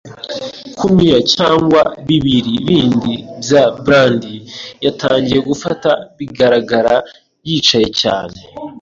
kumira cyangwa bibiri bindi bya brandi, yatangiye gufata bigaragara, yicaye cyane,